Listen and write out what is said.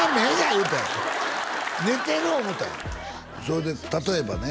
言うたよ寝てる思うたんやそれで例えばね